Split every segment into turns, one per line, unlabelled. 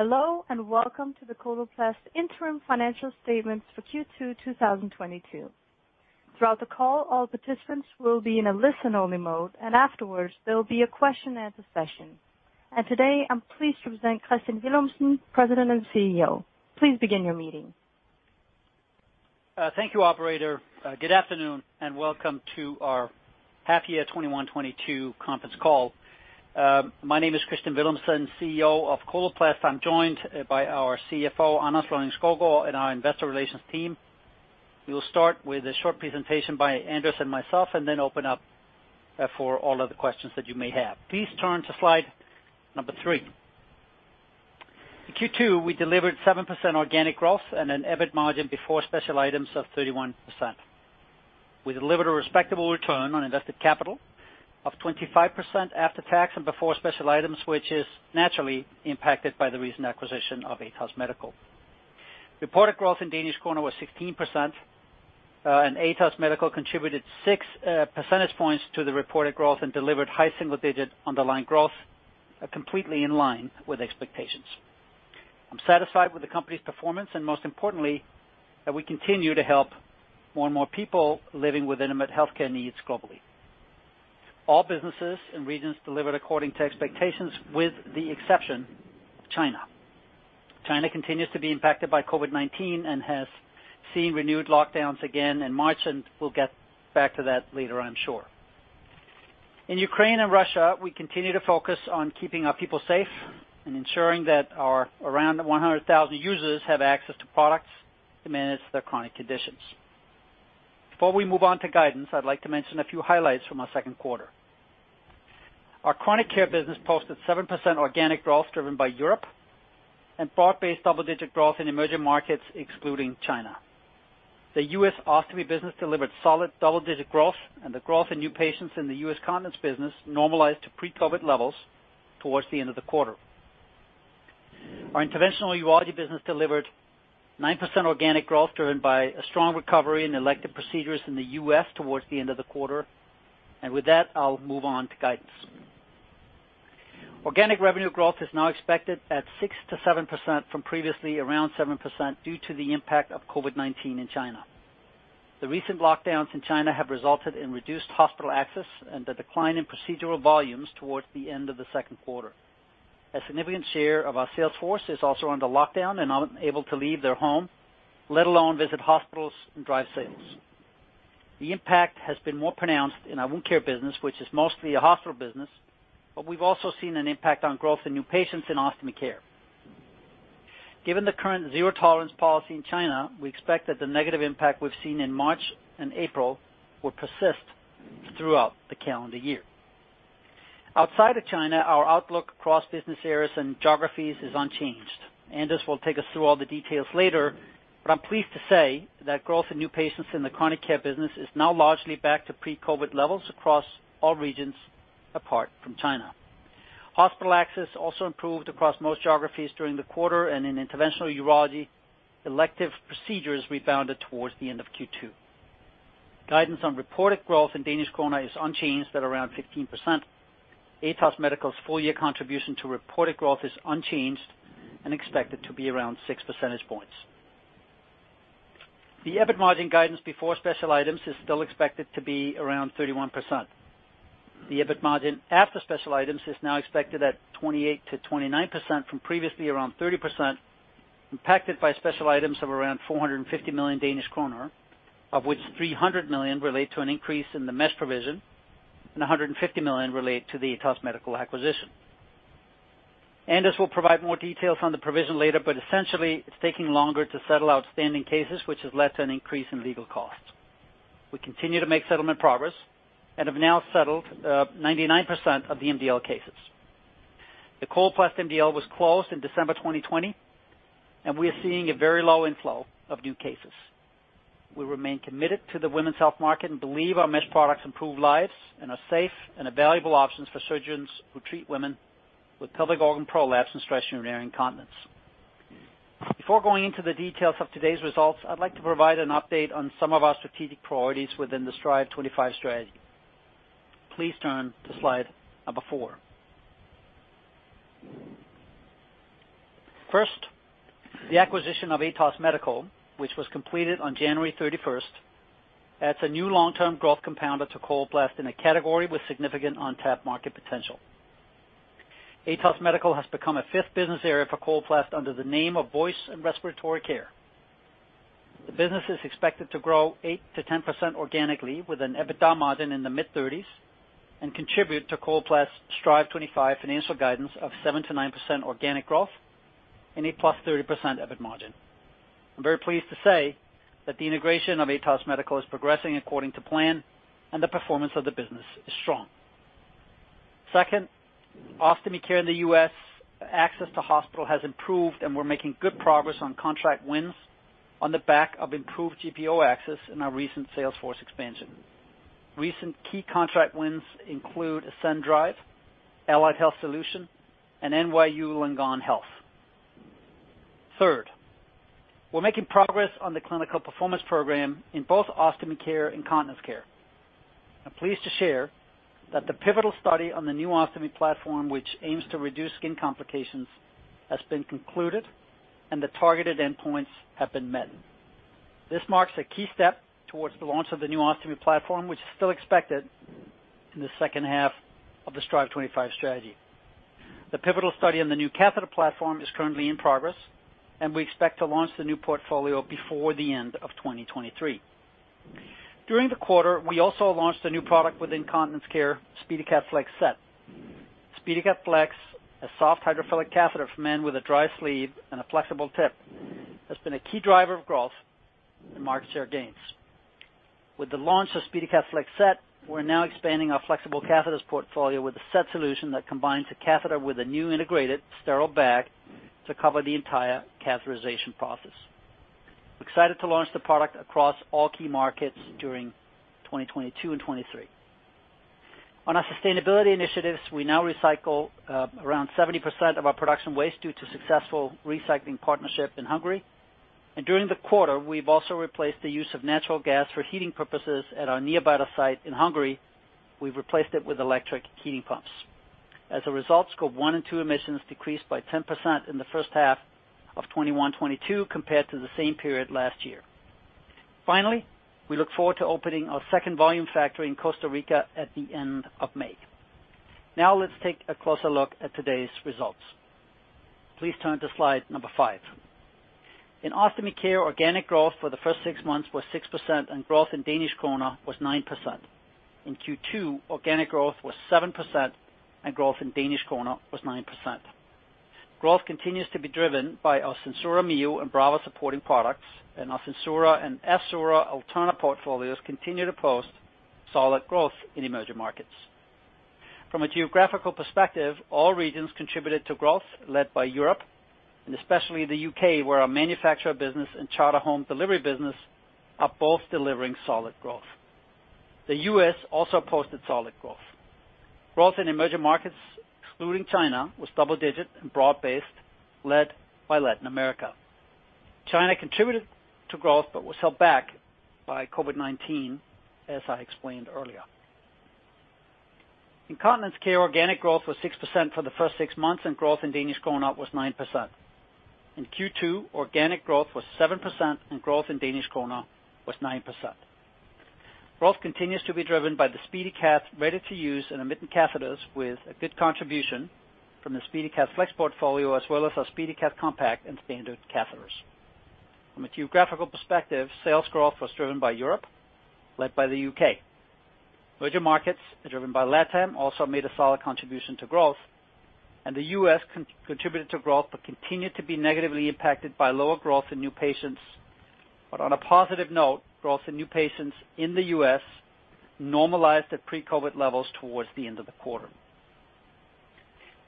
Hello, and welcome to the Coloplast Interim Financial Statements for Q2 2022. Throughout the call, all participants will be in a listen-only mode, and afterwards, there will be a question and answer session. Today, I'm pleased to present Kristian Villumsen, President and CEO. Please begin your meeting.
Thank you, operator. Good afternoon, and welcome to our half year 2021/2022 conference call. My name is Kristian Villumsen, CEO of Coloplast. I'm joined by our CFO, Anders Lønning-Skovgaard, and our investor relations team. We will start with a short presentation by Anders and myself and then open up for all of the questions that you may have. Please turn to slide number three. In Q2, we delivered 7% organic growth and an EBIT margin before special items of 31%. We delivered a respectable return on invested capital of 25% after tax and before special items, which is naturally impacted by the recent acquisition of Atos Medical. Reported growth in Danish kroner was 16%, and Atos Medical contributed 6 percentage points to the reported growth and delivered high single digit underlying growth, completely in line with expectations. I'm satisfied with the company's performance, and most importantly, that we continue to help more and more people living with intimate healthcare needs globally. All businesses and regions delivered according to expectations, with the exception of China. China continues to be impacted by COVID-19 and has seen renewed lockdowns again in March, and we'll get back to that later, I'm sure. In Ukraine and Russia, we continue to focus on keeping our people safe and ensuring that our around 100,000 users have access to products to manage their chronic conditions. Before we move on to guidance, I'd like to mention a few highlights from our Q2. Our chronic care business posted 7% organic growth driven by Europe and broad-based double-digit growth in emerging markets, excluding China. The U.S. Ostomy business delivered solid double-digit growth, and the growth in new patients in the U.S. Continence business normalized to pre-COVID levels towards the end of the quarter. Our Interventional Urology business delivered 9% organic growth driven by a strong recovery in elective procedures in the U.S. towards the end of the quarter. With that, I'll move on to guidance. Organic revenue growth is now expected at 6%-7% from previously around 7% due to the impact of COVID-19 in China. The recent lockdowns in China have resulted in reduced hospital access and a decline in procedural volumes towards the end of the Q2. A significant share of our sales force is also under lockdown and unable to leave their home, let alone visit hospitals and drive sales. The impact has been more pronounced in our Wound Care business, which is mostly a hospital business, but we've also seen an impact on growth in new patients in Ostomy Care. Given the current zero-tolerance policy in China, we expect that the negative impact we've seen in March and April will persist throughout the calendar year. Outside of China, our outlook across business areas and geographies is unchanged. Anders will take us through all the details later, but I'm pleased to say that growth in new patients in the Chronic Care business is now largely back to pre-COVID levels across all regions, apart from China. Hospital access also improved across most geographies during the quarter and in Interventional Urology, elective procedures rebounded towards the end of Q2. Guidance on reported growth in Danish kroner is unchanged at around 15%. Atos Medical's full year contribution to reported growth is unchanged and expected to be around 6 percentage points. The EBIT margin guidance before special items is still expected to be around 31%. The EBIT margin after special items is now expected at 28%-29% from previously around 30%, impacted by special items of around 450 million Danish kroner, of which 300 million relate to an increase in the mesh provision and 150 million relate to the Atos Medical acquisition. Anders will provide more details on the provision later, but essentially, it's taking longer to settle outstanding cases, which has led to an increase in legal costs. We continue to make settlement progress and have now settled 99% of the MDL cases. The Coloplast MDL was closed in December 2020, and we are seeing a very low inflow of new cases. We remain committed to the women's health market and believe our mesh products improve lives and are safe and a valuable options for surgeons who treat women with pelvic organ prolapse and stress urinary incontinence. Before going into the details of today's results, I'd like to provide an update on some of our strategic priorities within the Strive25 strategy. Please turn to slide number four. First, the acquisition of Atos Medical, which was completed on January 31, adds a new long-term growth compounder to Coloplast in a category with significant untapped market potential. Atos Medical has become a fifth business area for Coloplast under the name of Voice and Respiratory Care. The business is expected to grow 8%-10% organically, with an EBITDA margin in the mid-30s and contribute to Coloplast's Strive25 financial guidance of 7%-9% organic growth and a +30% EBIT margin. I'm very pleased to say that the integration of Atos Medical is progressing according to plan and the performance of the business is strong. Second, Ostomy Care in the U.S., access to hospital has improved, and we're making good progress on contract wins on the back of improved GPO access and our recent sales force expansion. Recent key contract wins include Ascension, Allied Health Solutions, and NYU Langone Health. Third, we're making progress on the clinical performance program in both Ostomy Care and continence care. I'm pleased to share that the pivotal study on the new ostomy platform, which aims to reduce skin complications, has been concluded and the targeted endpoints have been met. This marks a key step towards the launch of the new ostomy platform, which is still expected in the second half of the Strive25 strategy. The pivotal study on the new catheter platform is currently in progress, and we expect to launch the new portfolio before the end of 2023. During the quarter, we also launched a new product within continence care, SpeediCath Flex Set. SpeediCath Flex, a soft hydrophilic catheter for men with a dry sleeve and a flexible tip, has been a key driver of growth in market share gains. With the launch of SpeediCath Flex Set, we're now expanding our flexible catheters portfolio with a set solution that combines a catheter with a new integrated sterile bag to cover the entire catheterization process. We're excited to launch the product across all key markets during 2022 and 2023. On our sustainability initiatives, we now recycle around 70% of our production waste due to successful recycling partnership in Hungary. During the quarter, we've also replaced the use of natural gas for heating purposes at our Nyírbátor site in Hungary. We've replaced it with electric heating pumps. As a result, scope one and two emissions decreased by 10% in the first half of 2021-2022 compared to the same period last year. Finally, we look forward to opening our second volume factory in Costa Rica at the end of May. Now let's take a closer look at today's results. Please turn to slide number five. In ostomy care, organic growth for the first six months was 6% and growth in Danish kroner was 9%. In Q2, organic growth was 7% and growth in Danish kroner was 9%. Growth continues to be driven by our SenSura Mio and Brava supporting products, and our SenSura and Assura/Alterna portfolios continue to post solid growth in emerging markets. From a geographical perspective, all regions contributed to growth led by Europe, and especially the U.K., where our manufacturing business and Charter home delivery business are both delivering solid growth. The U.S. also posted solid growth. Growth in emerging markets, excluding China, was double-digit and broad-based, led by Latin America. China contributed to growth but was held back by COVID-19, as I explained earlier. In continence care, organic growth was 6% for the first six months, and growth in Danish kroner was 9%. In Q2, organic growth was 7% and growth in Danish kroner was 9%. Growth continues to be driven by the SpeediCath ready-to-use and intermittent catheters with a good contribution from the SpeediCath Flex portfolio, as well as our SpeediCath Compact and standard catheters. From a geographical perspective, sales growth was driven by Europe, led by the U.K. Emerging markets driven by LatAm also made a solid contribution to growth, and the U.S. contributed to growth, but continued to be negatively impacted by lower growth in new patients. On a positive note, growth in new patients in the U.S. normalized at pre-COVID levels towards the end of the quarter.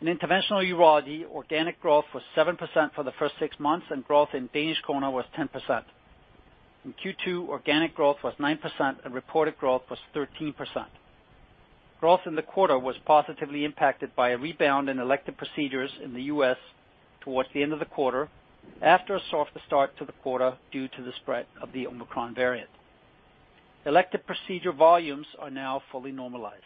In interventional urology, organic growth was 7% for the first six months and growth in Danish kroner was 10%. In Q2, organic growth was 9% and reported growth was 13%. Growth in the quarter was positively impacted by a rebound in elective procedures in the U.S. towards the end of the quarter after a softer start to the quarter due to the spread of the Omicron variant. Elective procedure volumes are now fully normalized.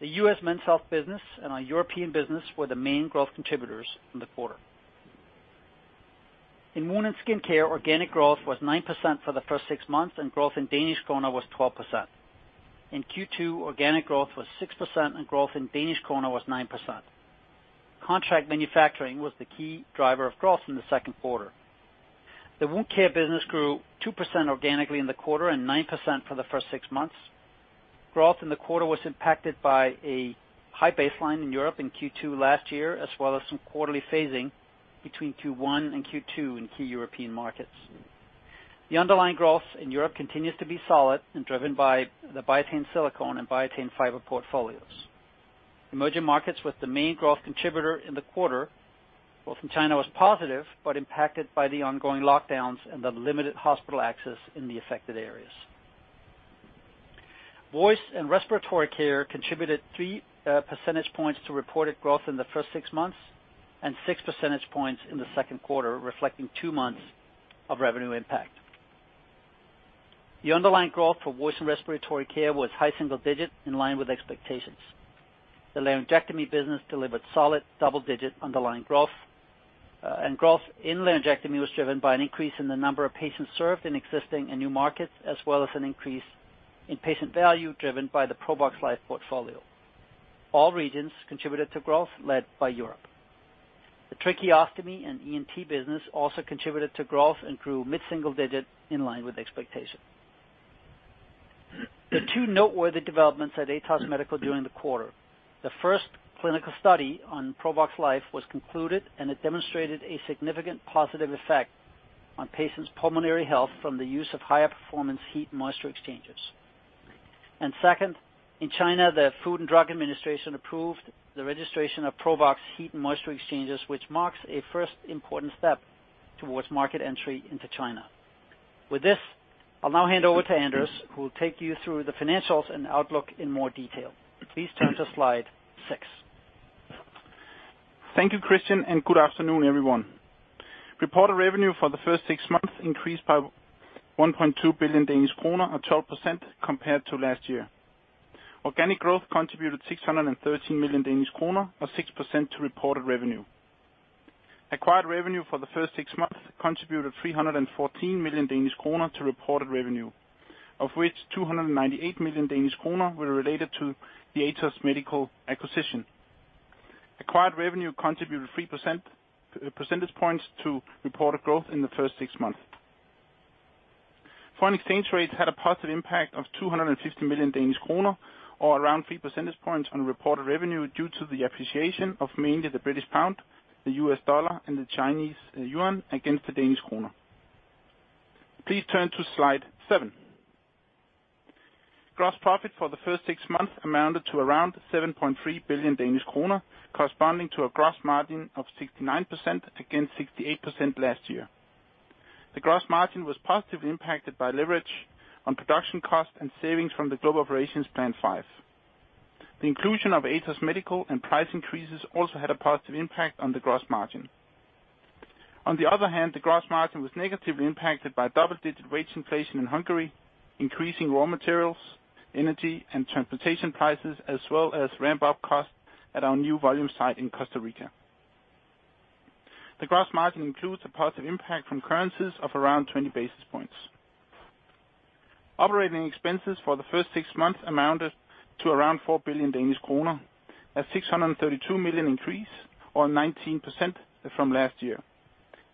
The U.S. Men's Health business and our European business were the main growth contributors in the quarter. In wound and skin care, organic growth was 9% for the first six months, and growth in Danish kroner was 12%. In Q2, organic growth was 6% and growth in Danish kroner was 9%. Contract manufacturing was the key driver of growth in the Q2. The wound care business grew 2% organically in the quarter and 9% for the first six months. Growth in the quarter was impacted by a high baseline in Europe in Q2 last year, as well as some quarterly phasing between Q1 and Q2 in key European markets. The underlying growth in Europe continues to be solid and driven by the Biatain Silicone and Biatain Fiber portfolios. Emerging markets was the main growth contributor in the quarter. Growth in China was positive but impacted by the ongoing lockdowns and the limited hospital access in the affected areas. Voice and Respiratory Care contributed three percentage points to reported growth in the first six months and six percentage points in the Q2, reflecting two months of revenue impact. The underlying growth for Voice and Respiratory Care was high single digit in line with expectations. The laryngectomy business delivered solid double-digit underlying growth, and growth in laryngectomy was driven by an increase in the number of patients served in existing and new markets, as well as an increase in patient value driven by the Provox Life portfolio. All regions contributed to growth led by Europe. The tracheostomy and ENT business also contributed to growth and grew mid-single digit in line with expectation. The two noteworthy developments at Atos Medical during the quarter. The first clinical study on Provox Life was concluded, and it demonstrated a significant positive effect on patients' pulmonary health from the use of higher performance heat and moisture exchangers. Second, in China, the Food and Drug Administration approved the registration of Provox heat and moisture exchangers, which marks a first important step towards market entry into China. With this, I'll now hand over to Anders, who will take you through the financials and outlook in more detail. Please turn to slide six.
Thank you, Kristian, and good afternoon, everyone. Reported revenue for the first six months increased by 1.2 billion Danish kroner or 12% compared to last year. Organic growth contributed 613 million Danish kroner, or 6% to reported revenue. Acquired revenue for the first six months contributed 314 million Danish kroner to reported revenue, of which 298 million Danish kroner were related to the Atos Medical acquisition. Acquired revenue contributed 3%, percentage points to reported growth in the first six months. Foreign exchange rates had a positive impact of 250 million Danish kroner or around 3 percentage points on reported revenue due to the appreciation of mainly the British pound, the U.S. dollar, and the Chinese yuan against the Danish kroner. Please turn to slide seven. Gross profit for the first six months amounted to around 7.3 billion Danish kroner, corresponding to a gross margin of 69% against 68% last year. The gross margin was positively impacted by leverage on production costs and savings from the Global Operations Plan 5. The inclusion of Atos Medical and price increases also had a positive impact on the gross margin. On the other hand, the gross margin was negatively impacted by double-digit wage inflation in Hungary, increasing raw materials, energy and transportation prices, as well as ramp-up costs at our new volume site in Costa Rica. The gross margin includes a positive impact from currencies of around 20 basis points. Operating expenses for the first six months amounted to around 4 billion Danish kroner, a 632 million increase, or 19% from last year.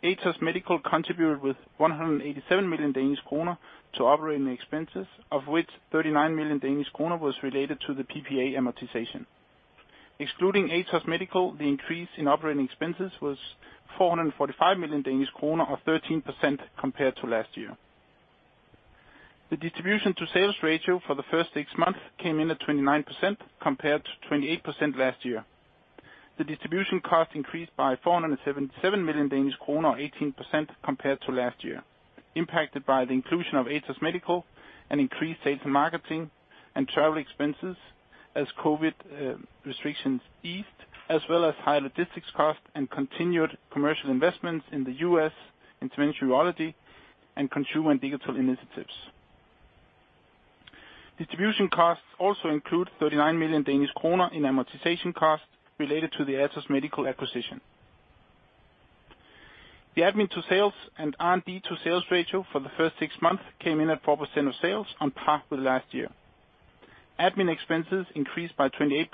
Atos Medical contributed with 187 million Danish kroner to operating expenses, of which 39 million Danish kroner was related to the PPA amortization. Excluding Atos Medical, the increase in operating expenses was 445 million Danish kroner or 13% compared to last year. The distribution to sales ratio for the first six months came in at 29%, compared to 28% last year. The distribution cost increased by 477 million Danish kroner, or 18% compared to last year, impacted by the inclusion of Atos Medical and increased sales and marketing and travel expenses as COVID restrictions eased, as well as high logistics costs and continued commercial investments in the US in interventional urology and continence and digital initiatives. Distribution costs also include 39 million Danish kroner in amortization costs related to the Atos Medical acquisition. The admin to sales and R&D to sales ratio for the first six months came in at 4% of sales on par with last year. Admin expenses increased by 28%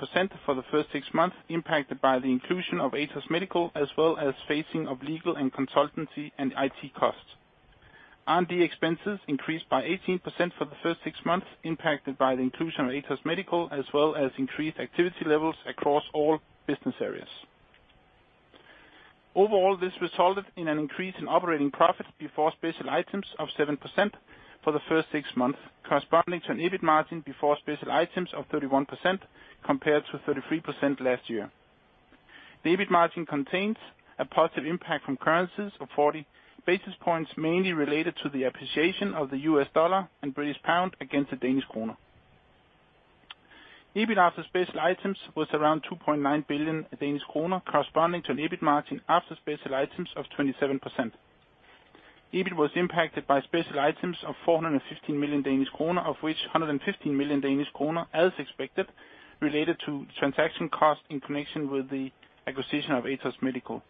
for the first six months, impacted by the inclusion of Atos Medical, as well as phasing of legal, consultancy, and IT costs. R&D expenses increased by 18% for the first six months, impacted by the inclusion of Atos Medical, as well as increased activity levels across all business areas. Overall, this resulted in an increase in operating profit before special items of 7% for the first six months, corresponding to an EBIT margin before special items of 31% compared to 33% last year. The EBIT margin contains a positive impact from currencies of 40 basis points, mainly related to the appreciation of the US dollar and British pound against the Danish kroner. EBIT after special items was around 2.9 billion Danish kroner, corresponding to an EBIT margin after special items of 27%. EBIT was impacted by special items of 415 million Danish kroner, of which 115 million Danish kroner, as expected, related to transaction costs in connection with the acquisition of Atos Medical,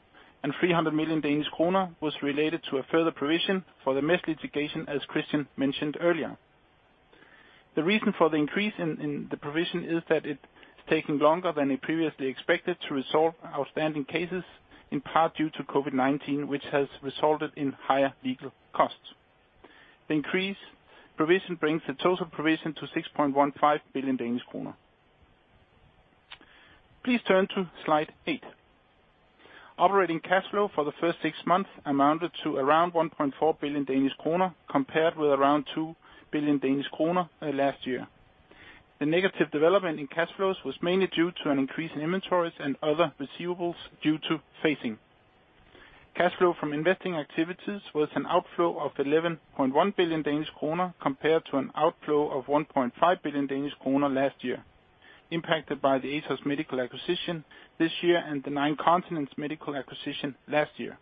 and 300 million Danish kroner was related to a further provision for the mesh litigation, as Kristian mentioned earlier. The reason for the increase in the provision is that it's taking longer than we previously expected to resolve outstanding cases, in part due to COVID-19, which has resulted in higher legal costs. The increased provision brings the total provision to 6.15 billion Danish kroner. Please turn to slide eight. Operating cash flow for the first six months amounted to around 1.4 billion Danish kroner, compared with around 2 billion Danish kroner last year. The negative development in cash flows was mainly due to an increase in inventories and other receivables due to phasing. Cash flow from investing activities was an outflow of 11.1 billion Danish kroner compared to an outflow of 1.5 billion Danish kroner last year, impacted by the Atos Medical acquisition this year and the Nine Continents Medical acquisition last year.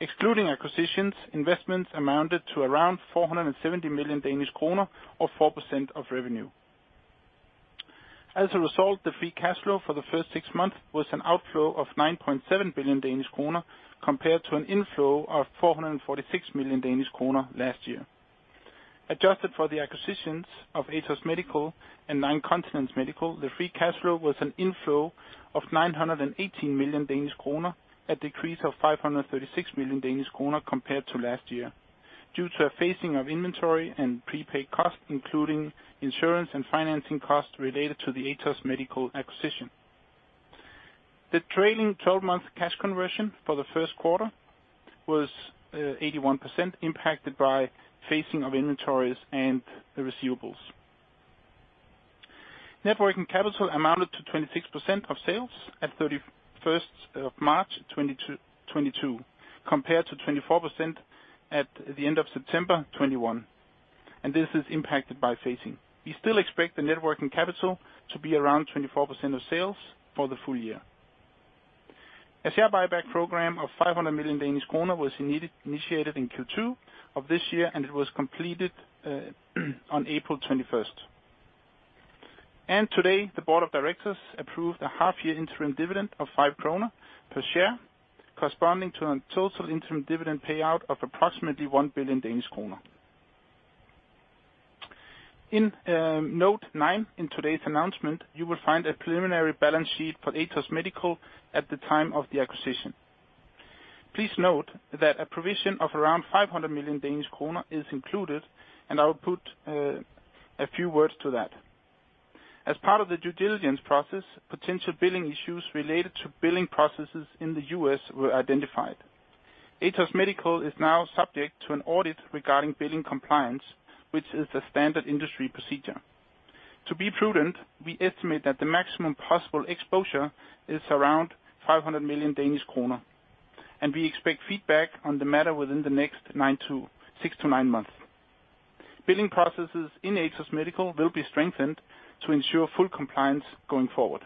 Excluding acquisitions, investments amounted to around 470 million Danish kroner, or 4% of revenue. As a result, the free cash flow for the first six months was an outflow of 9.7 billion Danish kroner, compared to an inflow of 446 million Danish kroner last year. Adjusted for the acquisitions of Atos Medical and Nine Continents Medical, the free cash flow was an inflow of 918 million Danish kroner, a decrease of 536 million Danish kroner compared to last year due to a phasing of inventory and prepaid costs, including insurance and financing costs related to the Atos Medical acquisition. The trailing twelve-month cash conversion for the Q1 was 81% impacted by phasing of inventories and the receivables. Net working capital amounted to 26% of sales at March 31, 2022, compared to 24% at the end of September 2021, and this is impacted by phasing. We still expect the net working capital to be around 24% of sales for the full year. A share buyback program of 500 million Danish kroner was initiated in Q2 of this year, and it was completed on April 21. Today, the board of directors approved a half year interim dividend of 5 kroner per share, corresponding to a total interim dividend payout of approximately 1 billion Danish kroner. In note nine in today's announcement, you will find a preliminary balance sheet for Atos Medical at the time of the acquisition. Please note that a provision of around 500 million Danish kroner is included, and I will put a few words to that. As part of the due diligence process, potential billing issues related to billing processes in the U.S. were identified. Atos Medical is now subject to an audit regarding billing compliance, which is a standard industry procedure. To be prudent, we estimate that the maximum possible exposure is around 500 million Danish kroner, and we expect feedback on the matter within the next six-nine months. Billing processes in Atos Medical will be strengthened to ensure full compliance going forward.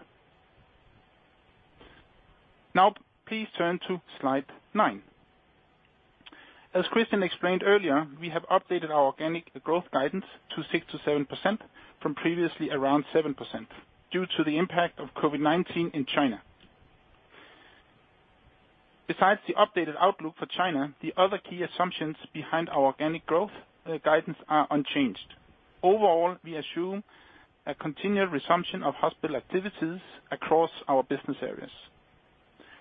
Now please turn to slide nine. As Christian explained earlier, we have updated our organic growth guidance to 6%-7% from previously around 7% due to the impact of COVID-19 in China. Besides the updated outlook for China, the other key assumptions behind our organic growth guidance are unchanged. Overall, we assume a continued resumption of hospital activities across our business areas.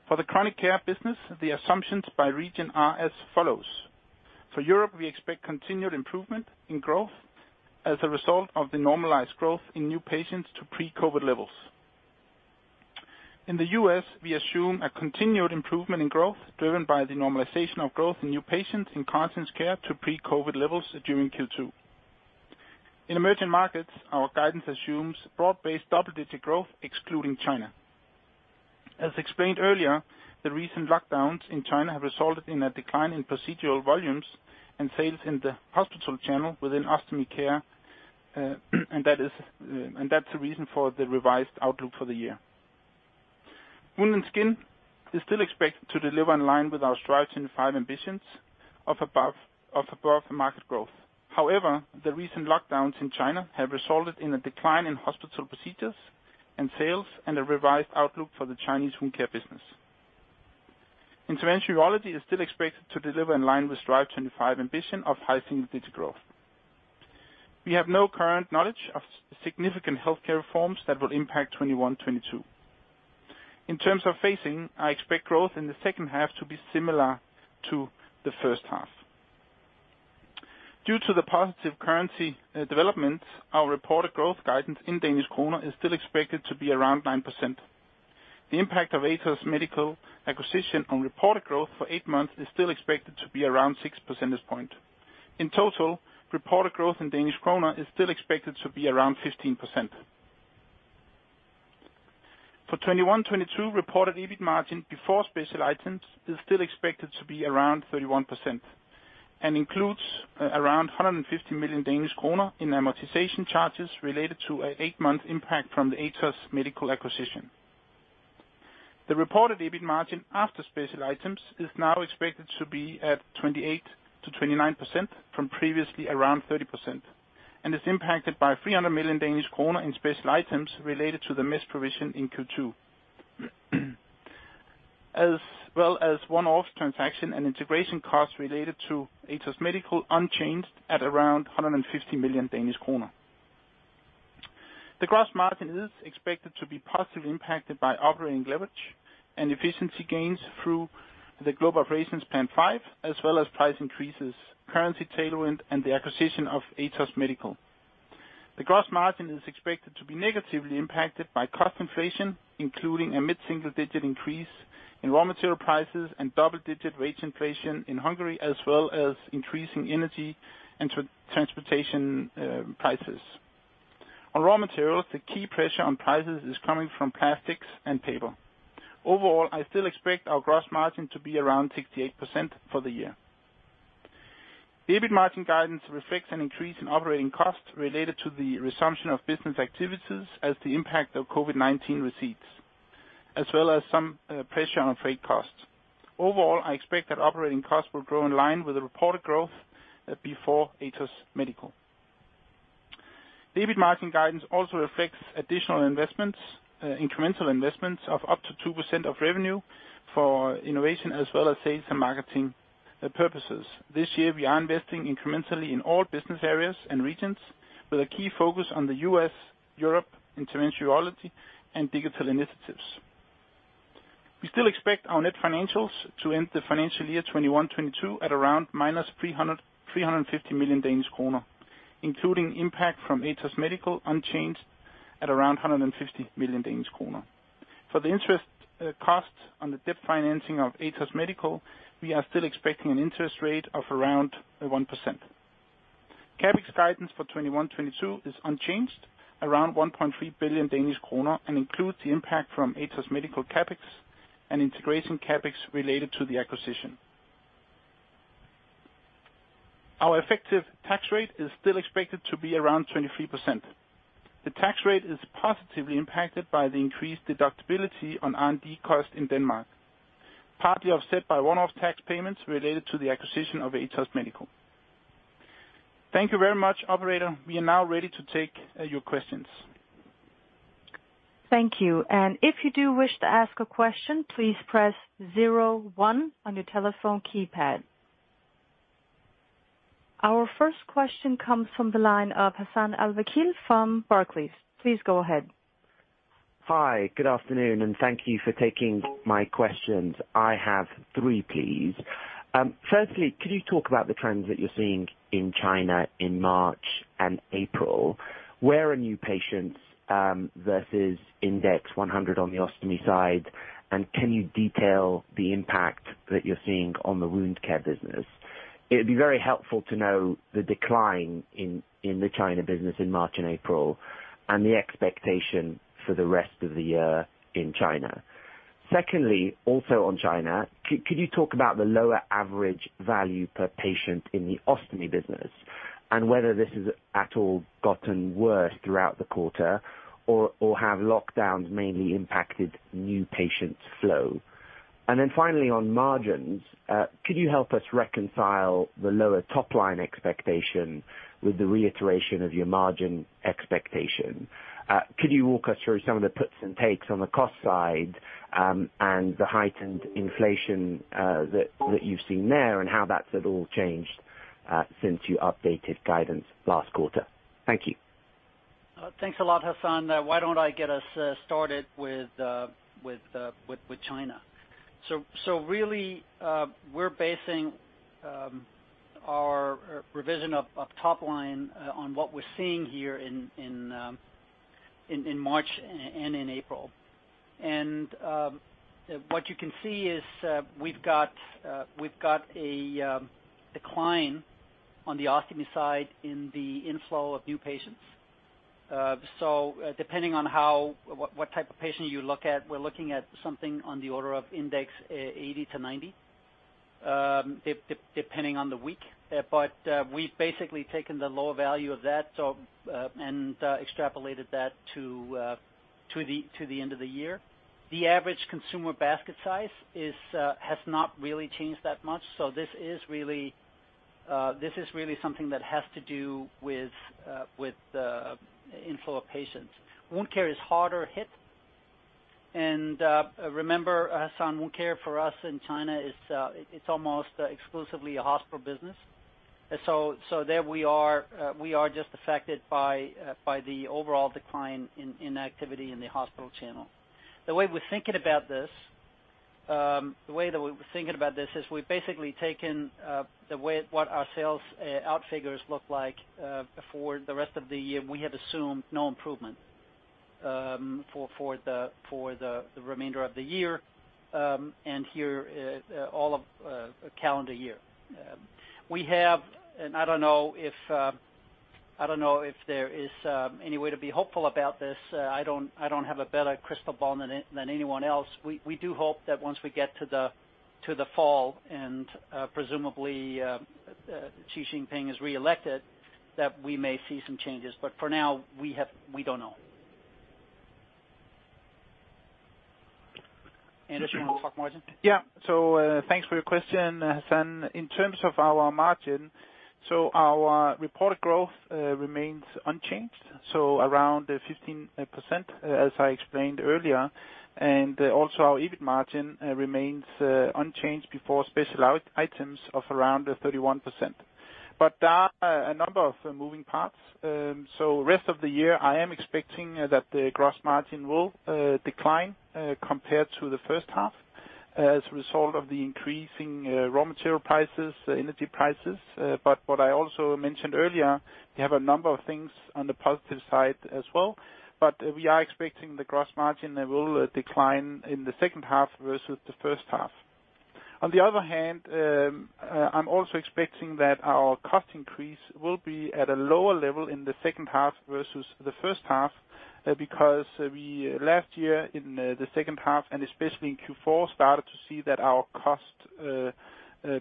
For the chronic care business, the assumptions by region are as follows. For Europe, we expect continued improvement in growth as a result of the normalized growth in new patients to pre-COVID levels. In the U.S., we assume a continued improvement in growth driven by the normalization of growth in new patients in Continence Care to pre-COVID levels during Q2. In emerging markets, our guidance assumes broad-based double-digit growth excluding China. As explained earlier, the recent lockdowns in China have resulted in a decline in procedural volumes and sales in the hospital channel within Ostomy Care, and that's the reason for the revised outlook for the year. Wound & Skin is still expected to deliver in line with our Strive25 ambitions of above market growth. However, the recent lockdowns in China have resulted in a decline in hospital procedures and sales and a revised outlook for the Chinese Wound Care business. Interventional urology is still expected to deliver in line with Strive25 ambition of high single-digit growth. We have no current knowledge of significant healthcare reforms that will impact 2021-2022. In terms of phasing, I expect growth in the second half to be similar to the first half. Due to the positive currency developments, our reported growth guidance in Danish kroner is still expected to be around 9%. The impact of Atos Medical acquisition on reported growth for eight months is still expected to be around six percentage point. In total, reported growth in Danish kroner is still expected to be around 15%. For 2021-2022, reported EBIT margin before special items is still expected to be around 31% and includes around 150 million Danish kroner in amortization charges related to an eight-month impact from the Atos Medical acquisition. The reported EBIT margin after special items is now expected to be at 28%-29% from previously around 30% and is impacted by 300 million Danish kroner in special items related to the missed provision in Q2. As well as one-off transaction and integration costs related to Atos Medical unchanged at around 150 million Danish kroner. The gross margin is expected to be positively impacted by operating leverage and efficiency gains through the Global Operations Plan 5 as well as price increases, currency tailwind, and the acquisition of Atos Medical. The gross margin is expected to be negatively impacted by cost inflation, including a mid-single-digit increase in raw material prices and double-digit wage inflation in Hungary, as well as increasing energy and transportation prices. On raw materials, the key pressure on prices is coming from plastics and paper. Overall, I still expect our gross margin to be around 68% for the year. The EBIT margin guidance reflects an increase in operating costs related to the resumption of business activities as the impact of COVID-19 recedes, as well as some pressure on freight costs. Overall, I expect that operating costs will grow in line with the reported growth before Atos Medical. The EBIT margin guidance also reflects additional investments, incremental investments of up to 2% of revenue for innovation as well as sales and marketing purposes. This year, we are investing incrementally in all business areas and regions with a key focus on the U.S., Europe, interventional urology, and digital initiatives. We still expect our net financials to end the financial year 2021-2022 at around -300 million to -350 million Danish kroner, including impact from Atos Medical unchanged at around 150 million Danish kroner. For the interest cost on the debt financing of Atos Medical, we are still expecting an interest rate of around 1%. CapEx guidance for 2021-2022 is unchanged around 1.3 billion Danish kroner and includes the impact from Atos Medical CapEx and integration CapEx related to the acquisition. Our effective tax rate is still expected to be around 23%. The tax rate is positively impacted by the increased deductibility on R&D costs in Denmark, partly offset by one-off tax payments related to the acquisition of Atos Medical. Thank you very much, operator. We are now ready to take your questions.
Thank you. If you do wish to ask a question, please press zero one on your telephone keypad. Our first question comes from the line of Hassan Al-Wakeel from Barclays. Please go ahead.
Hi, good afternoon, and thank you for taking my questions. I have three, please. Firstly, could you talk about the trends that you're seeing in China in March and April? Where are new patients versus index 100 on the ostomy side? And can you detail the impact that you're seeing on the wound care business? It'd be very helpful to know the decline in the China business in March and April and the expectation for the rest of the year in China. Secondly, also on China, could you talk about the lower average value per patient in the ostomy business and whether this has at all gotten worse throughout the quarter or have lockdowns mainly impacted new patients' flow? And then finally, on margins, could you help us reconcile the lower top line expectation with the reiteration of your margin expectation? Could you walk us through some of the puts and takes on the cost side, and the heightened inflation that you've seen there and how that's at all changed since you updated guidance last quarter? Thank you.
Thanks a lot, Hassan. Why don't I get us started with China. Really, we're basing our revision of top line on what we're seeing here in March and in April. What you can see is, we've got a decline on the ostomy side in the inflow of new patients. Depending on what type of patient you look at, we're looking at something on the order of index 80-90, depending on the week. We've basically taken the lower value of that, and extrapolated that to the end of the year. The average consumer basket size has not really changed that much. This is really something that has to do with the inflow of patients. Wound care is harder hit. Remember, Hassan, wound care for us in China is almost exclusively a hospital business. There we are, we are just affected by the overall decline in activity in the hospital channel. The way we're thinking about this is we've basically taken what our sell-out figures look like for the rest of the year. We have assumed no improvement for the remainder of the year, and here all of calendar year. We have, and I don't know if there is any way to be hopeful about this. I don't have a better crystal ball than anyone else. We do hope that once we get to the fall and presumably Xi Jinping is reelected, that we may see some changes. For now, we don't know. Anders, you want to talk margin?
Thanks for your question, Hassan. In terms of our margin, our reported growth remains unchanged, around 15%, as I explained earlier. Our EBIT margin remains unchanged before special items of around 31%. There are a number of moving parts. Rest of the year, I am expecting that the gross margin will decline compared to the first half as a result of the increasing raw material prices, energy prices. What I also mentioned earlier, we have a number of things on the positive side as well. We are expecting the gross margin will decline in the second half versus the first half. On the other hand, I'm also expecting that our cost increase will be at a lower level in the second half versus the first half, because last year in the second half and especially in Q4, we started to see that our cost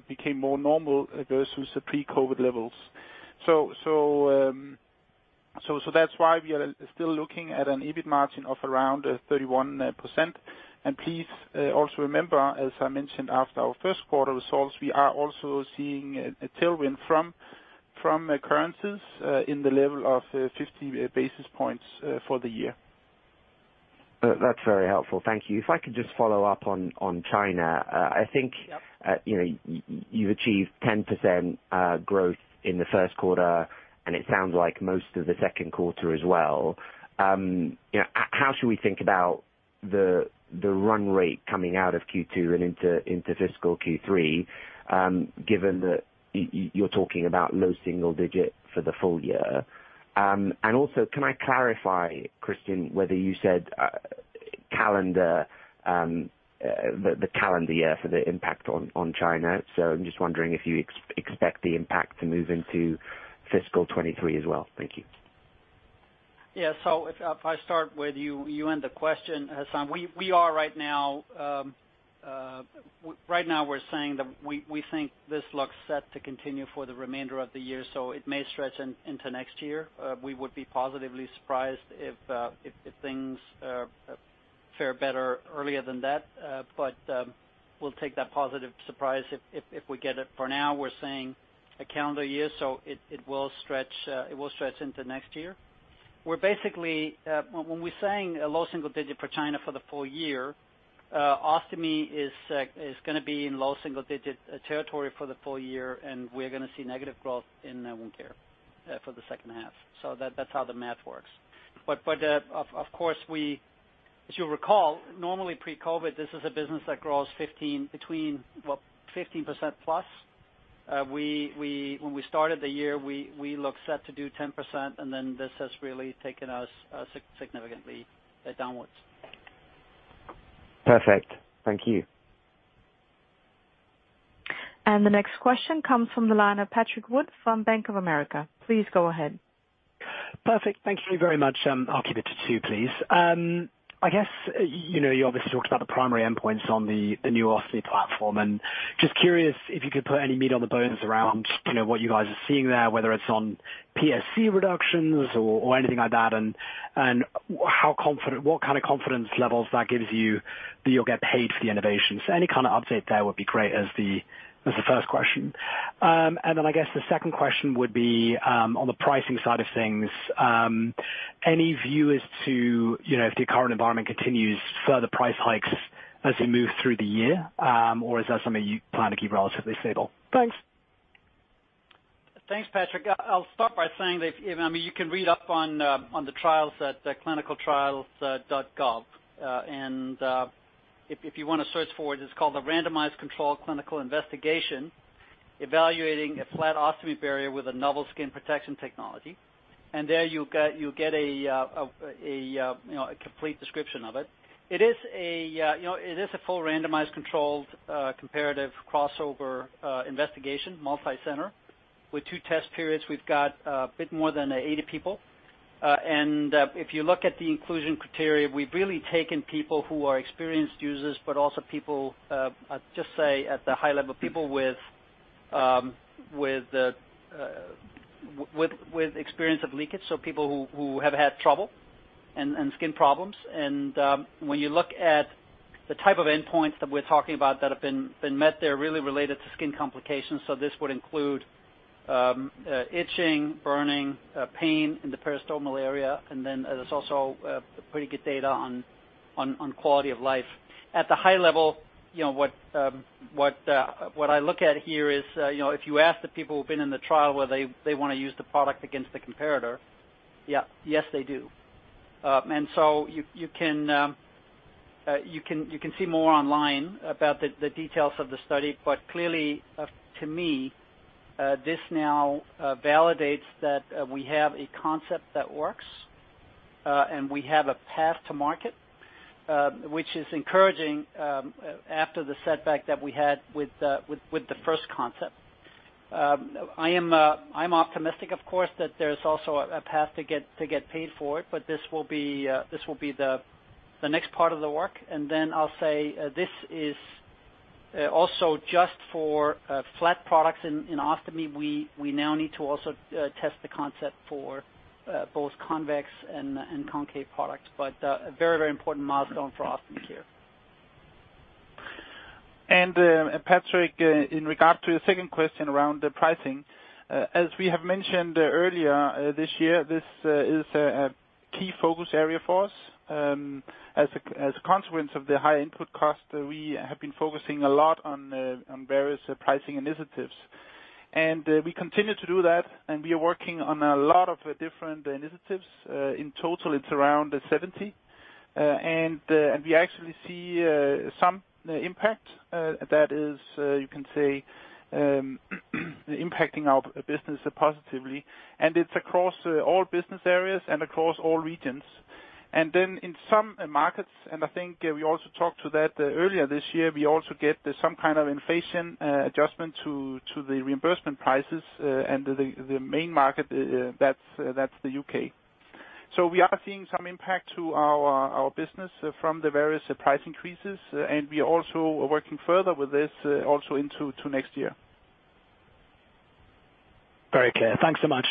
became more normal versus the pre-COVID levels. That's why we are still looking at an EBIT margin of around 31%. Please also remember, as I mentioned after our Q1 results, we are also seeing a tailwind from currencies in the level of 50 basis points for the year.
That's very helpful. Thank you. If I could just follow up on China. I think.
Yeah.
You know, you've achieved 10% growth in the Q1, and it sounds like most of the Q2 as well. How should we think about the run rate coming out of Q2 and into fiscal Q3, given that you're talking about low single-digit for the full year? Also can I clarify, Kristian, whether you said calendar year for the impact on China. I'm just wondering if you expect the impact to move into fiscal 2023 as well. Thank you.
If I start with you to end the question, Hassan. We are right now saying that we think this looks set to continue for the remainder of the year, so it may stretch into next year. We would be positively surprised if things fare better earlier than that. We'll take that positive surprise if we get it. For now, we're saying a calendar year, so it will stretch into next year. We're basically, when we're saying a low single digit for China for the full year, ostomy is gonna be in low single digit territory for the full year, and we're gonna see negative growth in wound care for the second half. That's how the math works. Of course, as you'll recall, normally pre-COVID, this is a business that grows 15% plus. When we started the year, we looked set to do 10%, and then this has really taken us significantly downwards.
Perfect. Thank you.
The next question comes from the line of Patrick Wood from Bank of America. Please go ahead.
Perfect. Thank you very much. I'll keep it to two, please. I guess, you know, you obviously talked about the primary endpoints on the new ostomy platform, and just curious if you could put any meat on the bones around, you know, what you guys are seeing there, whether it's on PSC reductions or anything like that, and how confident, what kind of confidence levels that gives you that you'll get paid for the innovations. Any kind of update there would be great as the first question. I guess the second question would be on the pricing side of things, any view as to, you know, if the current environment continues further price hikes as we move through the year, or is that something you plan to keep relatively stable? Thanks.
Thanks, Patrick. I'll start by saying that I mean you can read up on the trials at ClinicalTrials.gov. If you wanna search for it's called a randomized controlled clinical investigation evaluating a flat ostomy barrier with a novel skin protection technology. There you get, you know, a complete description of it. It is, you know, a full randomized controlled comparative crossover investigation, multicenter with two test periods. We've got a bit more than 80 people. If you look at the inclusion criteria, we've really taken people who are experienced users but also people, just say at the high level, people with with experience of leakage, so people who have had trouble and skin problems. When you look at the type of endpoints that we're talking about that have been met, they're really related to skin complications. This would include itching, burning, pain in the peristomal area, and then there's also pretty good data on quality of life. At the high level, you know, what I look at here is, you know, if you ask the people who've been in the trial whether they wanna use the product against the comparator, yeah, yes, they do. You can see more online about the details of the study. Clearly, to me, this now validates that we have a concept that works and we have a path to market, which is encouraging after the setback that we had with the first concept. I'm optimistic of course that there's also a path to get paid for it, but this will be the next part of the work. I'll say, this is also just for flat products in ostomy. We now need to also test the concept for both convex and concave products. A very important milestone for Ostomy Care.
Patrick, in regard to the second question around the pricing, as we have mentioned earlier this year, this is a key focus area for us. As a consequence of the high input cost, we have been focusing a lot on various pricing initiatives. We continue to do that, and we are working on a lot of different initiatives. In total, it's around 70. We actually see some impact that is, you can say, impacting our business positively. It's across all business areas and across all regions. In some markets, and I think we also talked to that earlier this year, we also get some kind of inflation adjustment to the reimbursement prices, and the main market that's the UK. We are seeing some impact to our business from the various price increases, and we also are working further with this also into next year.
Very clear. Thanks so much.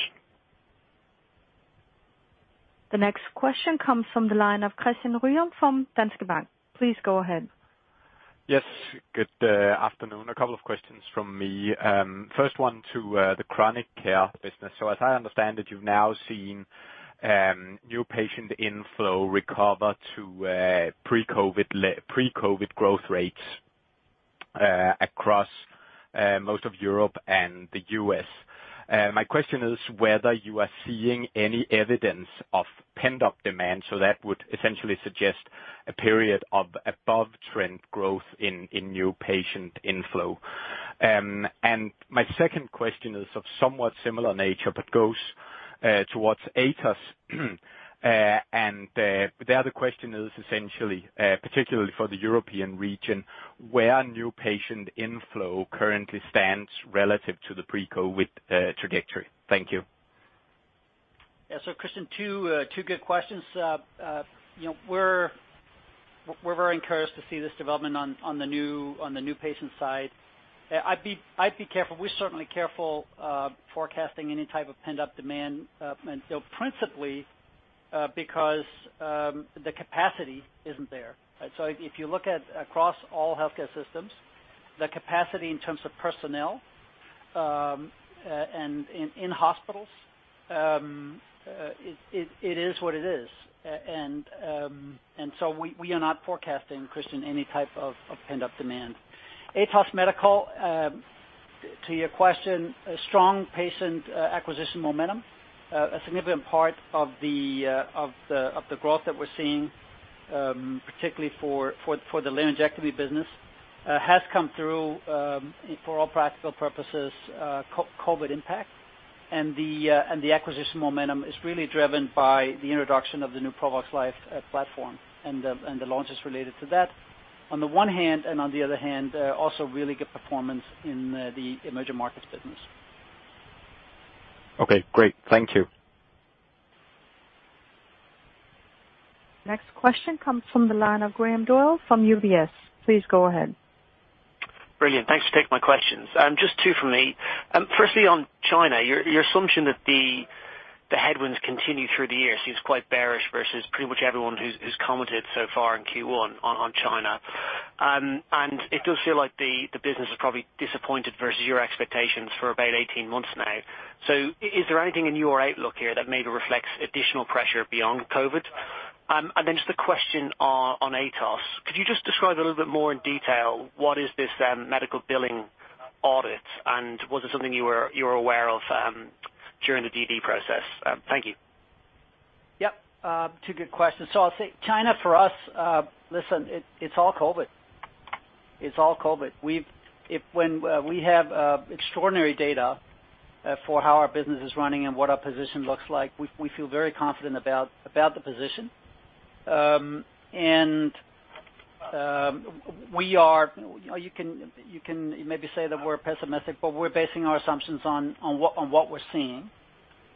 The next question comes from the line of Christian Ryom from Danske Bank. Please go ahead.
Yes. Good afternoon. A couple of questions from me. First one to the chronic care business. As I understand it, you've now seen new patient inflow recover to pre-COVID growth rates across most of Europe and the US. My question is whether you are seeing any evidence of pent-up demand, so that would essentially suggest a period of above trend growth in new patient inflow. My second question is of somewhat similar nature, but goes towards Atos. The other question is essentially particularly for the European region, where new patient inflow currently stands relative to the pre-COVID trajectory. Thank you.
Christian, two good questions. You know, we're very encouraged to see this development on the new patient side. I'd be careful. We're certainly careful forecasting any type of pent-up demand, and principally because the capacity isn't there. If you look across all healthcare systems, the capacity in terms of personnel and in hospitals, it is what it is. We are not forecasting, Christian, any type of pent-up demand. Atos Medical, to your question, a strong patient acquisition momentum, a significant part of the growth that we're seeing, particularly for the laryngectomy business, has come through, for all practical purposes, COVID impact. The acquisition momentum is really driven by the introduction of the new products life platform and the launches related to that on the one hand, and on the other hand, also really good performance in the emerging markets business.
Okay, great. Thank you.
Next question comes from the line of Graham Doyle from UBS. Please go ahead.
Brilliant. Thanks for taking my questions. Just two from me. Firstly on China, your assumption that the headwinds continue through the year seems quite bearish versus pretty much everyone who's commented so far in Q1 on China. It does feel like the business has probably disappointed versus your expectations for about 18 months now. Is there anything in your outlook here that maybe reflects additional pressure beyond COVID? Just a question on Atos. Could you just describe a little bit more in detail what is this medical billing audit, and was it something you were aware of during the DD process? Thank you.
Yep. Two good questions. I'll say China for us, it's all COVID. When we have extraordinary data for how our business is running and what our position looks like, we feel very confident about the position. You can maybe say that we're pessimistic, but we're basing our assumptions on what we're seeing.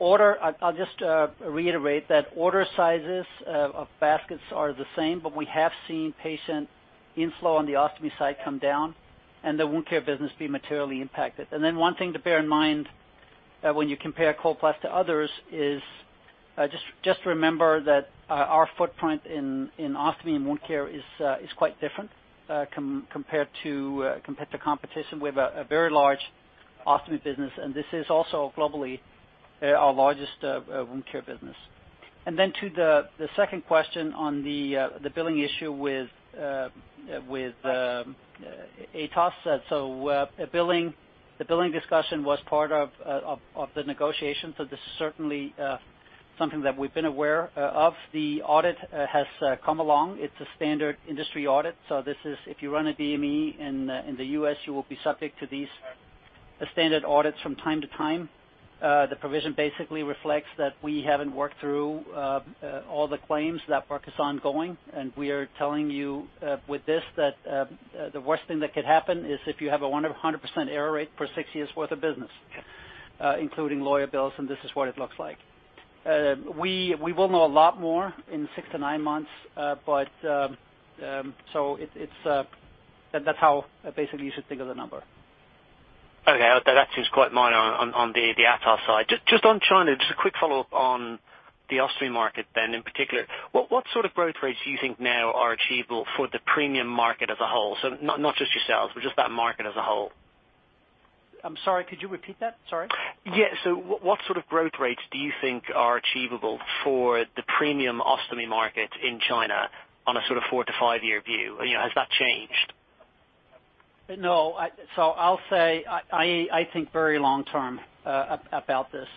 I'll just reiterate that order sizes of baskets are the same, but we have seen patient inflow on the Ostomy side come down and the Wound Care business be materially impacted. One thing to bear in mind when you compare Coloplast to others is just remember that our footprint in ostomy and wound care is quite different compared to competition. We have a very large ostomy business, and this is also globally our largest wound care business. To the second question on the billing issue with Atos. The billing discussion was part of the negotiations, so this is certainly something that we've been aware of. The audit has come along. It's a standard industry audit, so this is if you run a DME in the U.S., you will be subject to these standard audits from time to time. The provision basically reflects that we haven't worked through all the claims. That work is ongoing, and we are telling you with this that the worst thing that could happen is if you have a 100% error rate for six years' worth of business, including lawyer bills, and this is what it looks like. We will know a lot more in six to nine months, but that's how basically you should think of the number.
Okay. That seems quite minor on the Atos side. Just on China, a quick follow-up on the ostomy market then in particular. What sort of growth rates do you think now are achievable for the premium market as a whole? So not just yourselves, but just that market as a whole.
I'm sorry, could you repeat that? Sorry.
What sort of growth rates do you think are achievable for the premium ostomy market in China on a sort of 4-5-year view? You know, has that changed?
No. I think very long term about this.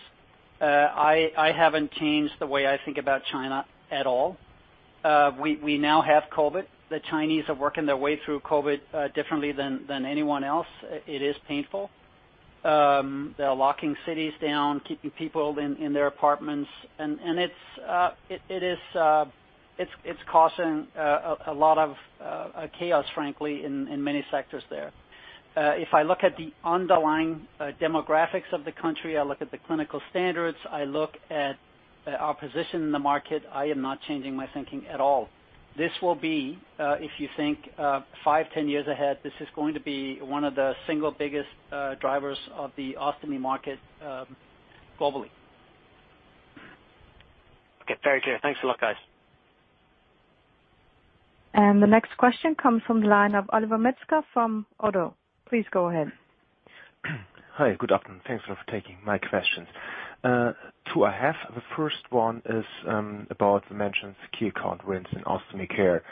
I haven't changed the way I think about China at all. We now have COVID. The Chinese are working their way through COVID differently than anyone else. It is painful. They're locking cities down, keeping people in their apartments, and it's causing a lot of chaos, frankly, in many sectors there. If I look at the underlying demographics of the country, I look at the clinical standards, I look at our position in the market, I am not changing my thinking at all. This will be, if you think five, 10 years ahead, this is going to be one of the single biggest drivers of the ostomy market globally.
Okay. Very clear. Thanks a lot, guys.
The next question comes from the line of Oliver Metzger from Oddo BHF. Please go ahead.
Hi, good afternoon. Thanks for taking my questions. Two I have. The first one is about the mentioned key account wins in Ostomy Care.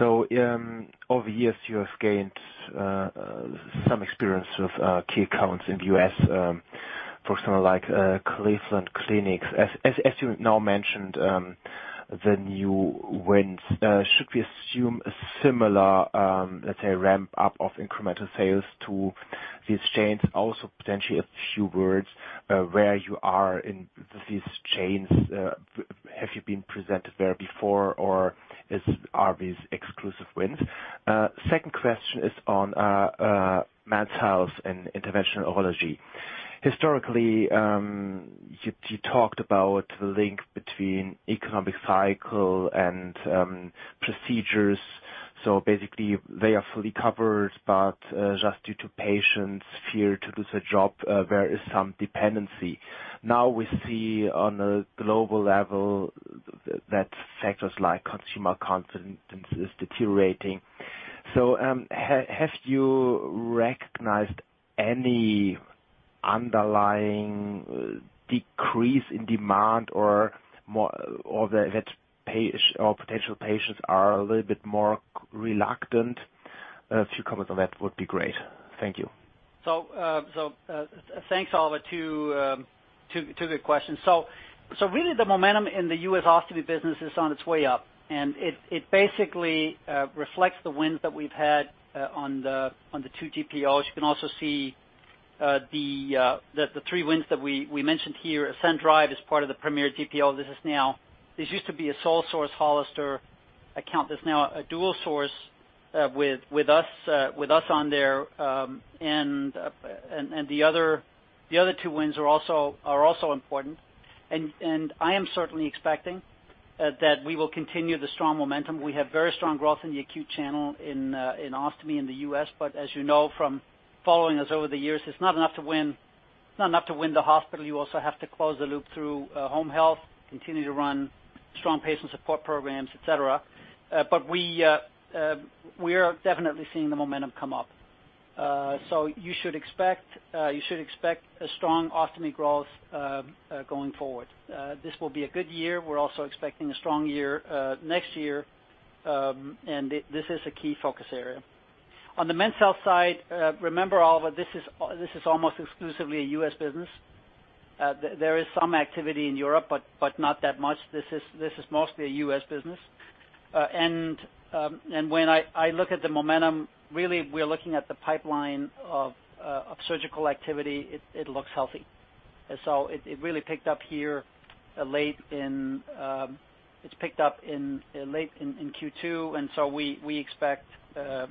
Over the years, you have gained some experience with key accounts in the U.S. for someone like Cleveland Clinic. As you now mentioned, The new wins, should we assume a similar, let's say ramp up of incremental sales to these chains, also potentially a few words, where you are in these chains. Have you been presented there before or are these exclusive wins? Second question is on men's health and interventional urology. Historically, you talked about the link between economic cycle and procedures. Basically they are fully covered, but just due to patients' fear to lose their job, there is some dependency. Now we see on a global level that factors like consumer confidence is deteriorating. Have you recognized any underlying decrease in demand or that potential patients are a little bit more reluctant? A few comments on that would be great. Thank you.
Thanks, Oliver, two good questions. Really the momentum in the US Ostomy business is on its way up, and it basically reflects the wins that we've had on the two GPOs. You can also see the three wins that we mentioned here. Ascension is part of the Premier GPO. This is now. This used to be a sole source Hollister account that's now a dual source with us on there. The other two wins are also important. I am certainly expecting that we will continue the strong momentum. We have very strong growth in the acute channel in Ostomy in the US. As you know from following us over the years, it's not enough to win, it's not enough to win the hospital, you also have to close the loop through home health, continue to run strong patient support programs, et cetera. We are definitely seeing the momentum come up. You should expect a strong Ostomy growth going forward. This will be a good year. We're also expecting a strong year next year, and this is a key focus area. On the men's health side, remember, Oliver, this is almost exclusively a U.S. business. There is some activity in Europe, but not that much. This is mostly a U.S. business. When I look at the momentum, really we're looking at the pipeline of surgical activity, it looks healthy. It really picked up late in Q2, and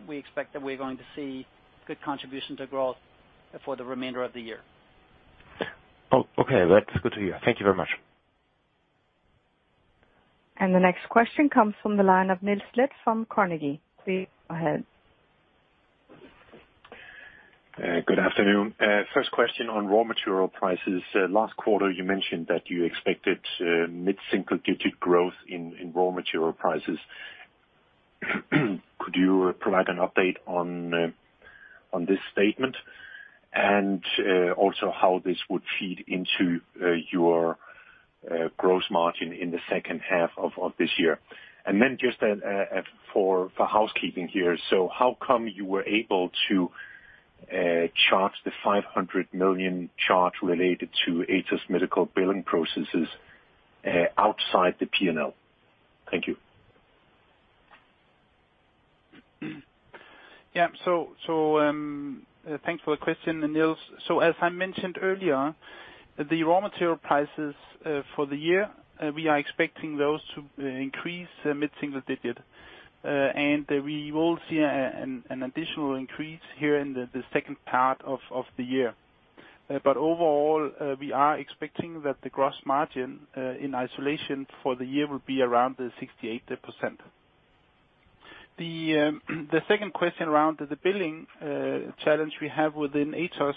we expect that we're going to see good contribution to growth for the remainder of the year.
Oh, okay. That's good to hear. Thank you very much.
The next question comes from the line of Niels Leth from Carnegie. Please go ahead.
Good afternoon. First question on raw material prices. Last quarter, you mentioned that you expected mid-single digit growth in raw material prices. Could you provide an update on this statement? Also how this would feed into your gross margin in the second half of this year? Then just for housekeeping here. How come you were able to charge the 500 million charge related to Atos Medical billing processes outside the P&L? Thank you.
Thanks for the question, Niels. As I mentioned earlier, the raw material prices for the year we are expecting those to increase mid-single digit. We will see an additional increase here in the second part of the year. Overall, we are expecting that the gross margin in isolation for the year will be around the 68%. The second question around the billing challenge we have within Atos,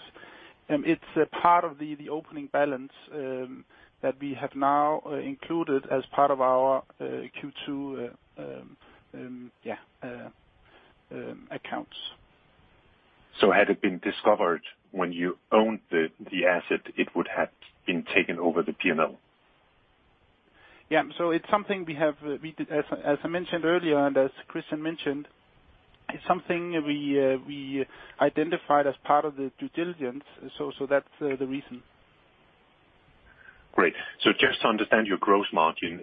it's a part of the opening balance that we have now included as part of our Q2 accounts.
Had it been discovered when you owned the asset, it would have been taken over the P&L?
Yeah. It's something we have as I mentioned earlier, and as Kristian mentioned, it's something we identified as part of the due diligence. That's the reason.
Great. Just to understand your gross margin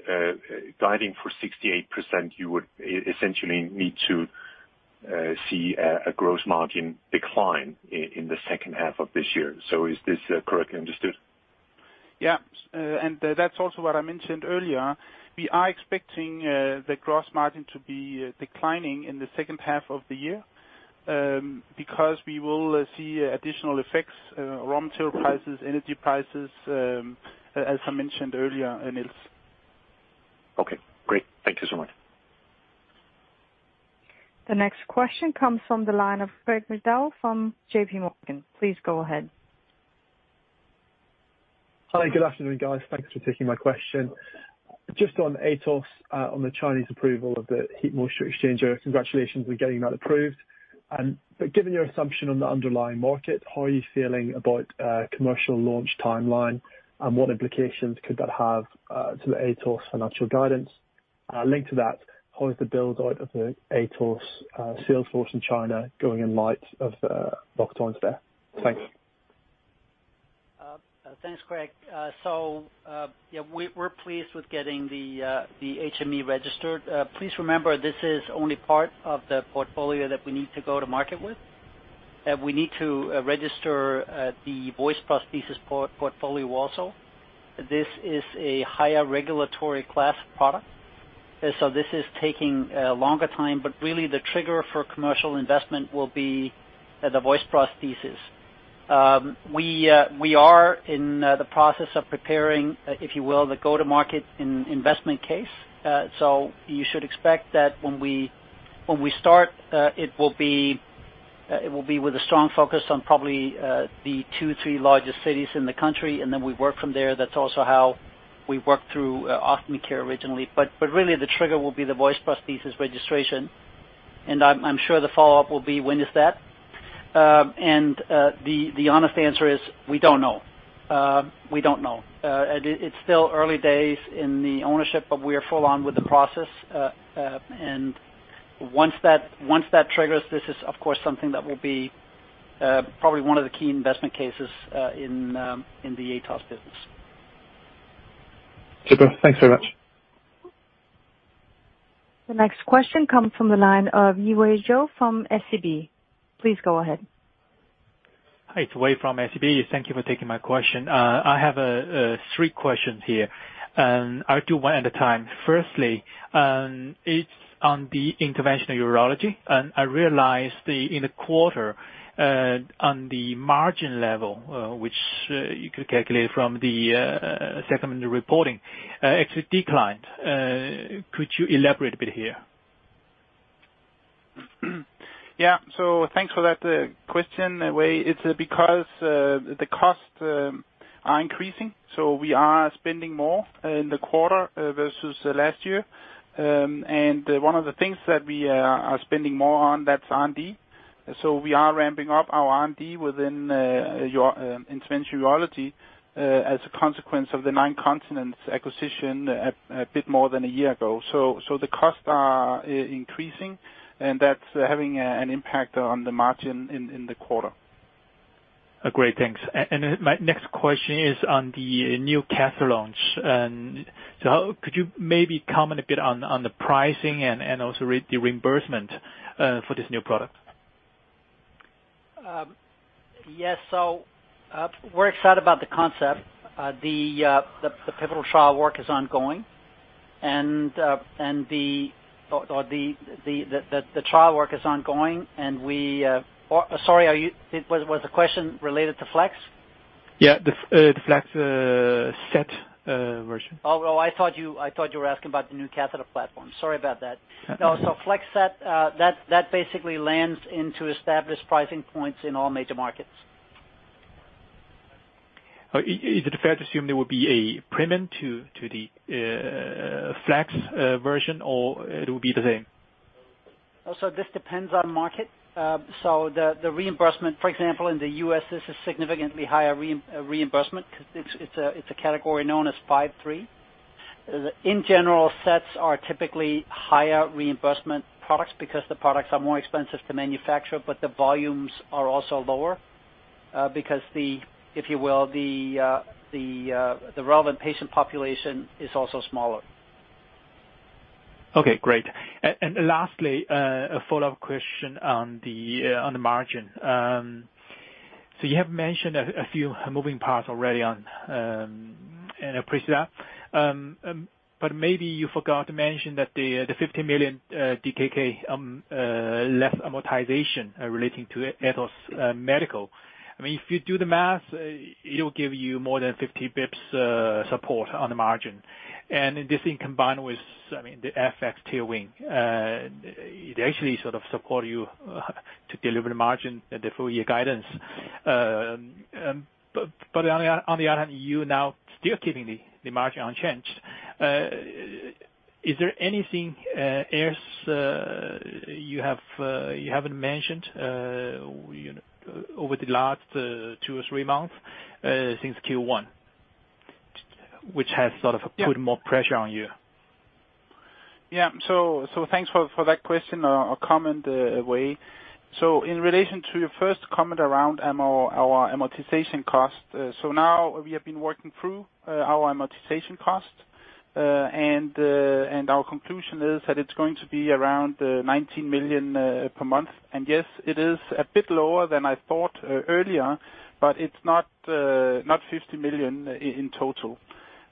guiding for 68%, you would essentially need to see a gross margin decline in the second half of this year. Is this correctly understood?
Yeah. That's also what I mentioned earlier. We are expecting the gross margin to be declining in the second half of the year, because we will see additional effects, raw material prices, energy prices, as I mentioned earlier, Niels.
Okay, great. Thank you so much.
The next question comes from the line of Frederic dePuy from JP Morgan. Please go ahead.
Hi. Good afternoon, guys. Thanks for taking my question. Just on Atos, on the Chinese approval of the heat moisture exchanger, congratulations on getting that approved. Given your assumption on the underlying market, how are you feeling about commercial launch timeline, and what implications could that have to the Atos financial guidance? Linked to that, how is the build out of the Atos sales force in China going in light of the lockdowns there? Thanks.
Thanks, Fred. So, yeah, we're pleased with getting the HME registered. Please remember this is only part of the portfolio that we need to go to market with, that we need to register the voice prosthesis portfolio also. This is a higher regulatory class product, and so this is taking a longer time. Really the trigger for commercial investment will be the voice prosthesis. We are in the process of preparing, if you will, the go-to-market and investment case. You should expect that when we start, it will be with a strong focus on probably the two, three largest cities in the country, and then we work from there. That's also how we worked through OptiCare originally. Really the trigger will be the voice prosthesis registration. I'm sure the follow-up will be when is that? The honest answer is we don't know. It's still early days in the ownership, but we are full on with the process. Once that triggers, this is of course something that will be probably one of the key investment cases in the Atos business.
Super. Thanks very much.
The next question comes from the line of Yiwei Zhou from SEB. Please go ahead.
Hi, it's Wei from SEB. Thank you for taking my question. I have three questions here. I'll do one at a time. Firstly, it's on the interventional urology. I realized that in the quarter, on the margin level, which you could calculate from the second reporting, actually declined. Could you elaborate a bit here?
Yeah. Thanks for that, question, Wei. It's because the costs are increasing, so we are spending more in the quarter versus last year. One of the things that we are spending more on, that's R&D. We are ramping up our R&D within our interventional urology as a consequence of the Nine Continents acquisition a bit more than a year ago. The costs are increasing, and that's having an impact on the margin in the quarter.
Great. Thanks. My next question is on the new catheter launch. Could you maybe comment a bit on the pricing and also the reimbursement for this new product?
Yes. We're excited about the concept. The pivotal trial work is ongoing and the trial work is ongoing. Sorry. Was the question related to Flex?
Yeah. The Flex Set version.
I thought you were asking about the new catheter platform. Sorry about that.
Okay.
No. Flex Set, that basically lands into established pricing points in all major markets.
Is it fair to assume there will be a premium to the Flex version, or it will be the same?
This depends on market. The reimbursement, for example, in the U.S., this is significantly higher reimbursement because it's a category known as A4353. In general, sets are typically higher reimbursement products because the products are more expensive to manufacture, but the volumes are also lower because the, if you will, the relevant patient population is also smaller.
Okay, great. Lastly, a follow-up question on the margin. So you have mentioned a few moving parts already, and I appreciate that. Maybe you forgot to mention that the 50 million DKK less amortization relating to Atos Medical. I mean, if you do the math, it'll give you more than 50 basis points support on the margin. This thing combined with, I mean, the FX tailwind, it actually sort of support you to deliver the margin, the full year guidance. On the other hand, you now still keeping the margin unchanged. Is there anything else you haven't mentioned, you know, over the last two or three months since Q1 which has sort of.
Yeah.
put more pressure on you?
Yeah. Thanks for that question or comment, Wei. In relation to your first comment around our amortization cost, now we have been working through our amortization cost. Our conclusion is that it's going to be around 19 million per month. Yes, it is a bit lower than I thought earlier, but it's not 50 million in total.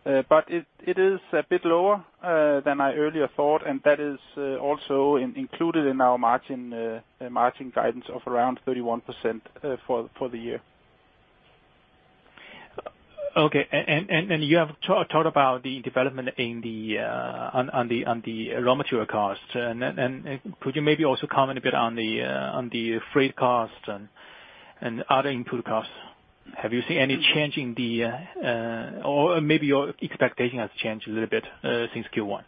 It is a bit lower than I earlier thought, and that is also included in our margin guidance of around 31% for the year.
Okay. You have talked about the development in the raw material costs. Could you maybe also comment a bit on the freight costs and other input costs? Have you seen any change? Or maybe your expectation has changed a little bit since Q1.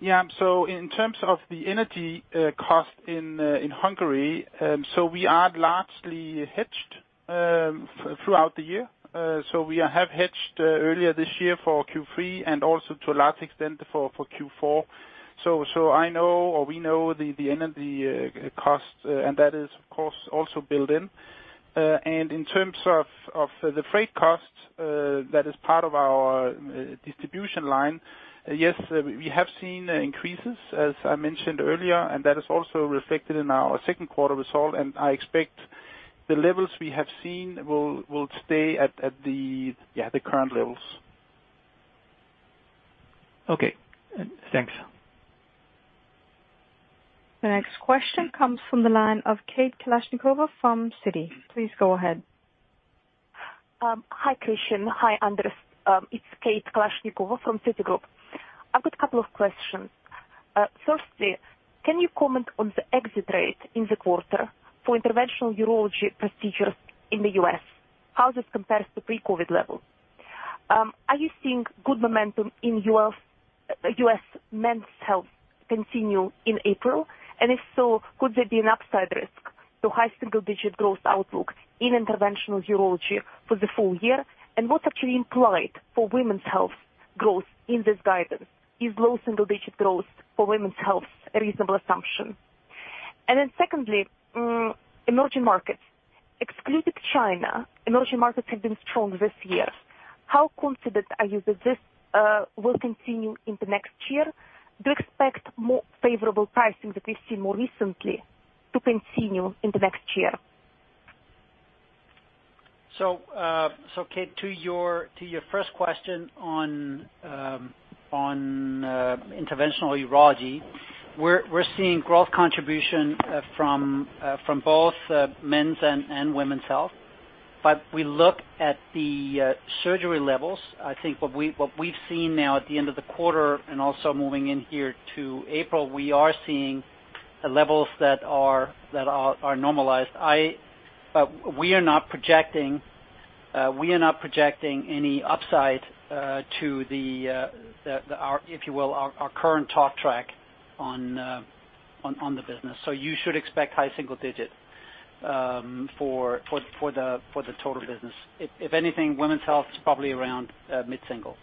In terms of the energy cost in Hungary, we are largely hedged throughout the year. We have hedged earlier this year for Q3 and also to a large extent for Q4.
I know or we know the end of the cost, and that is, of course, also built in. In terms of the freight costs, that is part of our distribution line. Yes, we have seen increases, as I mentioned earlier, and that is also reflected in our Q2 result, and I expect the levels we have seen will stay at the current levels.
Okay. Thanks.
The next question comes from the line of Kate Kalashnikova from Citi. Please go ahead.
Hi, Christian. Hi, Anders. It's Kate Kalashnikova from Citigroup. I've got a couple of questions. First, can you comment on the exit rate in the quarter for interventional urology procedures in the U.S.? How this compares to pre-COVID levels? Are you seeing good momentum in U.S. men's health continue in April? And if so, could there be an upside risk to high single-digit growth outlook in interventional urology for the full year? And what's actually implied for women's health growth in this guidance? Is low single-digit growth for women's health a reasonable assumption? Secondly, emerging markets. Excluding China, emerging markets have been strong this year. How confident are you that this will continue into next year? Do you expect more favorable pricing that we've seen more recently to continue in the next year?
Kate, to your first question on interventional urology, we're seeing growth contribution from both men's and women's health. We look at the surgery levels. I think what we've seen now at the end of the quarter and also moving in here to April, we are seeing levels that are normalized. We are not projecting any upside to our, if you will, current talk track on the business. You should expect high single-digit% for the total business. If anything, women's health is probably around mid-single.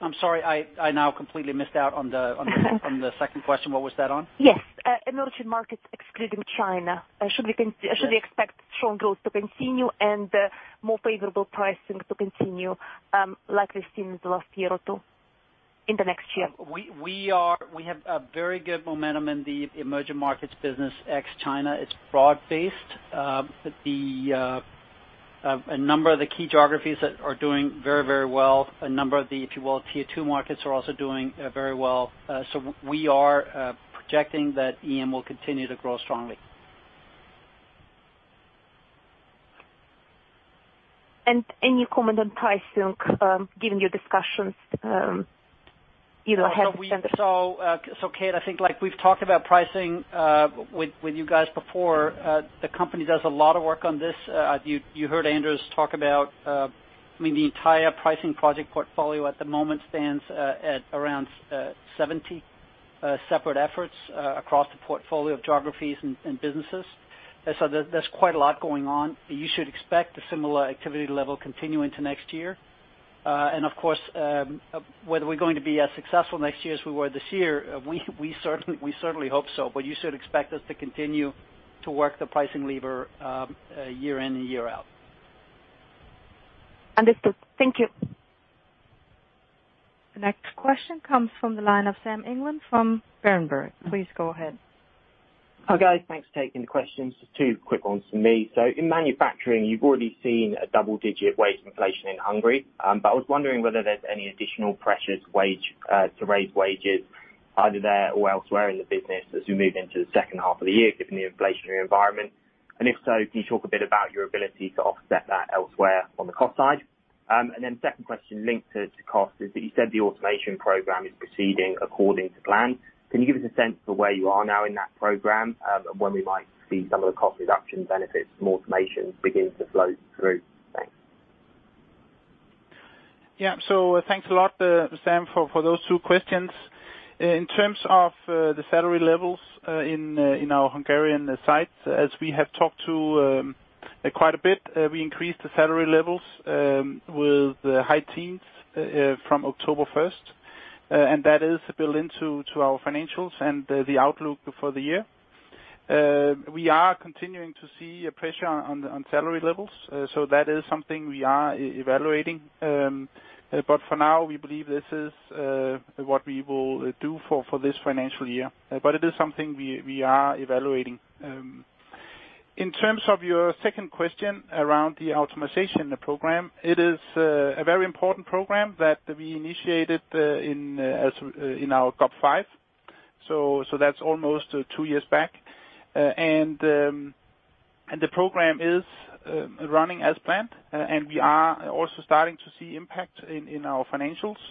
I'm sorry, I now completely missed out on the second question. What was that on?
Yes. Emerging markets excluding China. Should we expect strong growth to continue and more favorable pricing to continue, like we've seen in the last year or two in the next year?
We have a very good momentum in the emerging markets business, ex China. It's broad-based. A number of the key geographies that are doing very well. A number of the, if you will, tier two markets are also doing very well. We are projecting that EM will continue to grow strongly.
Any comment on pricing, given your discussions, you know, ahead of standard?
Kate, I think like we've talked about pricing with you guys before. The company does a lot of work on this. You heard Anders talk about, I mean, the entire pricing project portfolio at the moment stands at around 70 separate efforts across the portfolio of geographies and businesses. There's quite a lot going on. You should expect a similar activity level continuing to next year. Of course, whether we're going to be as successful next year as we were this year, we certainly hope so. You should expect us to continue to work the pricing lever year in and year out.
Understood. Thank you.
The next question comes from the line of Sam England from Berenberg. Please go ahead.
Hi, guys. Thanks for taking the questions. Two quick ones from me. In manufacturing, you've already seen a double-digit wage inflation in Hungary. I was wondering whether there's any additional pressure to raise wages either there or elsewhere in the business as we move into the second half of the year, given the inflationary environment. If so, can you talk a bit about your ability to offset that elsewhere on the cost side? Second question linked to cost is that you said the automation program is proceeding according to plan. Can you give us a sense for where you are now in that program, and when we might see some of the cost reduction benefits from automation begin to flow through? Thanks.
Yeah. Thanks a lot, Sam, for those two questions. In terms of the salary levels in our Hungarian site, as we have talked to quite a bit, we increased the salary levels with the high teens from October first, and that is built into our financials and the outlook for the year. We are continuing to see a pressure on the salary levels. That is something we are evaluating. For now, we believe this is what we will do for this financial year. It is something we are evaluating. In terms of your second question around the automation program, it is a very important program that we initiated in our GOP 5. That's almost two years back. The program is running as planned, and we are also starting to see impact in our financials.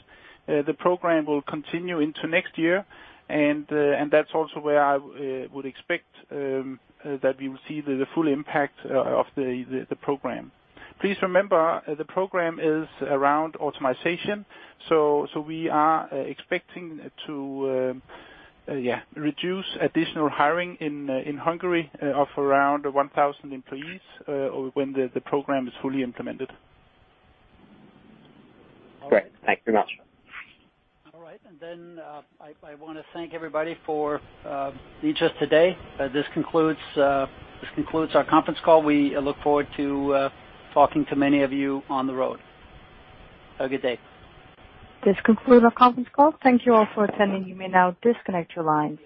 The program will continue into next year. That's also where I would expect that we will see the full impact of the program. Please remember, the program is around automation. We are expecting to reduce additional hiring in Hungary of around 1,000 employees when the program is fully implemented.
Great. Thank you very much.
All right. I wanna thank everybody for being with us today. This concludes our conference call. We look forward to talking to many of you on the road. Have a good day.
This concludes our conference call. Thank you all for attending. You may now disconnect your lines.